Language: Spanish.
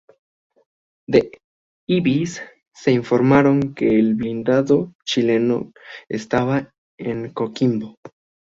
Del "Ibis" se informaron que el blindado chileno estaba en Coquimbo.